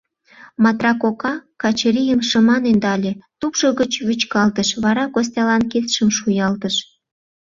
Матра кока Качырийым шыман ӧндале, тупшо гыч вӱчкалтыш, вара Костялан кидшым шуялтыш.